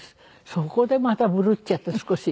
そこでまたブルっちゃって少し。